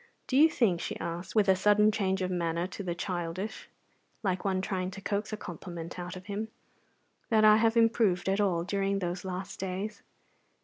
"Do you think," she asked, with a sudden change of manner to the childish, like one trying to coax a compliment out of him, "that I have improved at all during those last days?